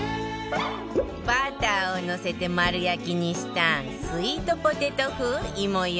バターをのせて丸焼きにしたスイートポテト風いもようかん